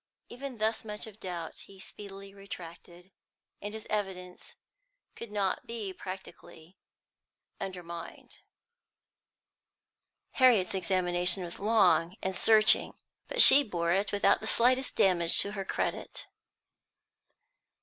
But even thus much of doubt he speedily retracted, and his evidence could not be practically undermined. Harriet's examination was long and searching, but she bore it without the slightest damage to her credit.